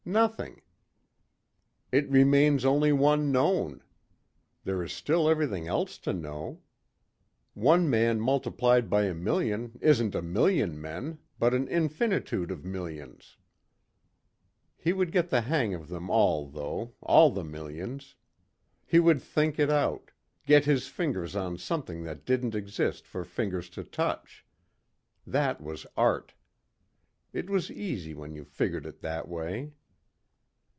Nothing. It remains only one known. There is still everything else to know. One man multiplied by a million isn't a million men but an infinitude of millions." He would get the hang of them all though, all the millions. He would think it out, get his fingers on something that didn't exist for fingers to touch. That was art. It was easy when you figured it that way.